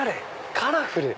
カラフル！